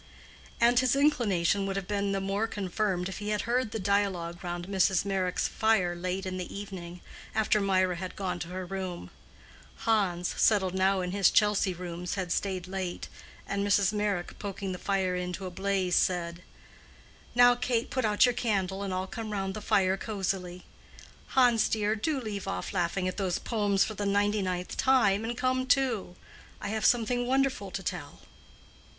And his inclination would have been the more confirmed if he had heard the dialogue round Mrs. Meyrick's fire late in the evening, after Mirah had gone to her room. Hans, settled now in his Chelsea rooms, had stayed late, and Mrs. Meyrick, poking the fire into a blaze, said, "Now, Kate, put out your candle, and all come round the fire cosily. Hans, dear, do leave off laughing at those poems for the ninety ninth time, and come too. I have something wonderful to tell."